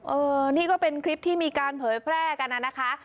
เออนี่ก็เป็นคลิปที่มีการเผยแพร่กันน่ะนะคะ